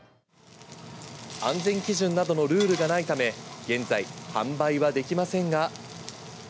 安全基準などのルールがないため、現在、販売はできませんが。